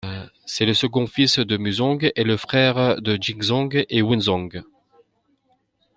C'est le second fils de Muzong et le frère de Jingzong et Wuzong.